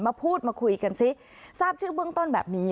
มาพูดมาคุยกันซิทราบชื่อเบื้องต้นแบบนี้